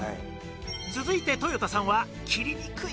続いてとよたさんは切りにくい鶏肉